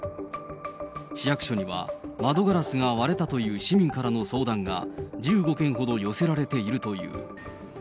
市役所には窓ガラスが割れたという市民からの相談が、１５件ほど寄せられているという。